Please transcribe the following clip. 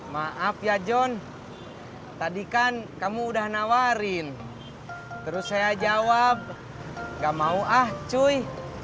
maaf ya john tadi kan kamu udah nawarin terus saya jawab gak mau ah cui